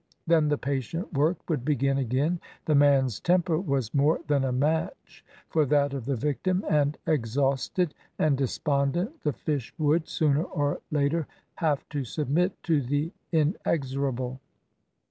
Then the patient work would begin again. The man's temper was more than a match for that of the victim, and, exhausted and despondent, the fish would, sooner or later, have to submit to the inexorable.